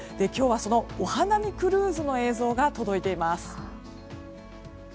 今日は、そのお花見クルーズの映像が届いています。